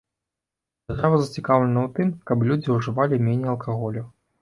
Дзяржава зацікаўлена у тым, каб людзі ужывалі меней алкаголю.